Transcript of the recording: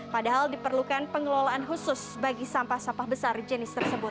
padahal diperlukan pengelolaan khusus bagi sampah sampah besar jenis tersebut